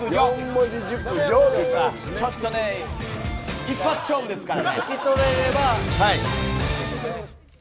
ちょっとね一発勝負ですから。